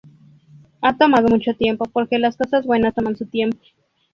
Ha tomado mucho tiempo porque las cosas buenas toman su tiempo.